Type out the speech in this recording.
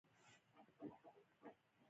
نورې ډلې باور نه لري.